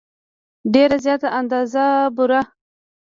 ډېره زیاته اندازه بوره.